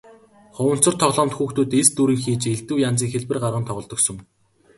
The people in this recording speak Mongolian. Хуванцар тоглоомд хүүхдүүд элс дүүргэн хийж элдэв янзын хэлбэр гарган тоглодог сон.